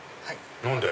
何で？